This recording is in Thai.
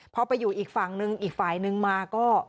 พอไปอยู่อีกฝั่งนึงอีกฝ่ายนึงมาก็